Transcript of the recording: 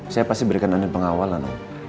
saya pasti berikan nanti pengawalan